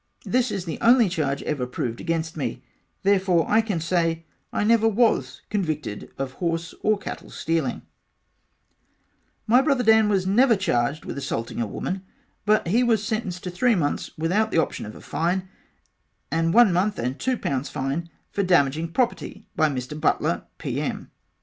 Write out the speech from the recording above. this is the only charge ever proved against me Therefore I can say I never was convicted of horse or cattle stealing My Brother Dan was never charged with assaulting a woman but he was sentenced to three months without the option of a fine and one month and two pounds fine for damaging property by Mr. Butler P.M.